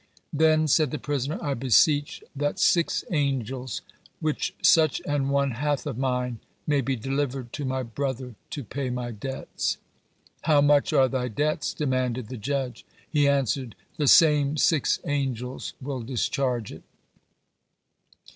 "Then," said the prisoner, "I beseech that six angels, which such an one hath of mine, may be delivered to my brother to pay my debts." "How much are thy debts?" demanded the judge. He answered, "The same six angels will discharge it."